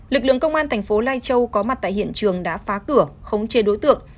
lực lượng công an thành phố lai châu có mặt tại hiện trường đã phá cửa khống chê đối tượng